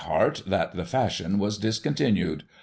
15 heart, that the fashion was discontinued.